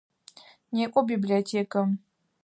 Некӏо библиотекэм!